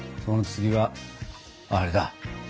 その次はあれだ。